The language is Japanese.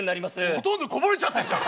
ほとんどこぼれちゃってんじゃん。